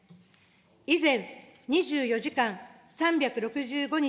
以前、２４時間３６５日